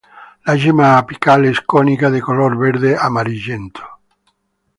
La yema apical es cónica de color verde amarillento.